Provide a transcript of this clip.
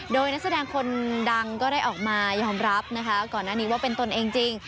โดยนักแสดงคนดังก็ได้ออกมายอมรับนะคะก่อนหน้านี้ว่าเป็นตนเองจริง